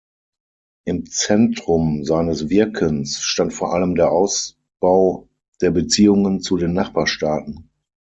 Im Zentrum seines Wirkens stand vor allem der Ausbau der Beziehungen zu den Nachbarstaaten.